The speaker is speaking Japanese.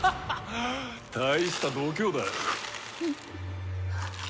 大した度胸だ。